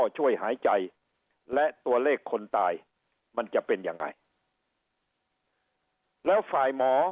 ช่วยหายใจและตัวเลขคนตายมันจะเป็นยังไงแล้วฝ่ายหมอ